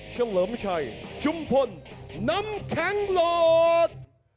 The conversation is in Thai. เฉลิมชัยชุมพลน้ำแข็งหลอด